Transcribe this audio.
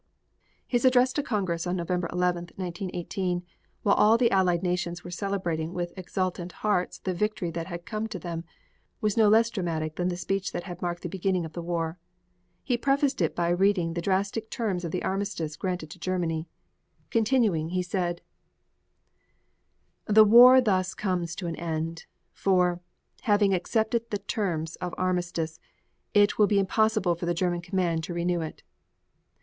His address to Congress on November 11, 1918, while all the Allied Nations were celebrating with exultant hearts the victory that had come to them, was no less dramatic than the speech that had marked the beginning of the war. He prefaced it by reading the drastic terms of the armistice granted to Germany. Continuing he said: The war thus comes to an end; for, having accepted these terms of armistice, it will be impossible for the German command to renew it.